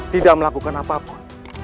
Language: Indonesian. tidak melakukan apapun